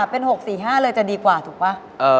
เป็น๖๔๕เลยจะดีกว่าถูกป่ะ